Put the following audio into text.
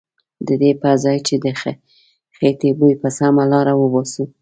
ددې پرځای چې د خیټې بوی په سمه لاره وباسو.